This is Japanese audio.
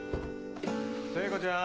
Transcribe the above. ・聖子ちゃん